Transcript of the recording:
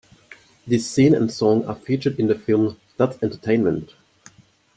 This scene and song are featured in the film That's Entertainment!